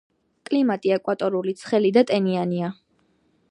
კლიმატი ეკვატორული, ცხელი და ტენიანია.